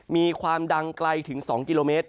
มีความดังไกลถึง๒กิโลเมตร